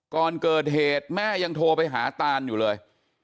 ก่อนเกิดเหตุแม่ยังโทรไปหาตานอยู่เลย